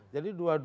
jadi dua duanya itu